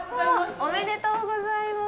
ありがとうございます。